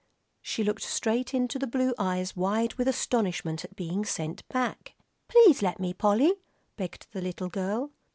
She looked straight into the blue eyes wide with astonishment at being sent back. "Please let me, Polly," begged the little girl.